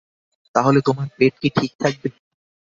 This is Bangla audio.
তাহলে, তোমার পেট কি ঠিক থাকবে?